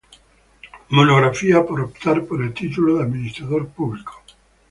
Monografía por optar por el título de Administrador Público.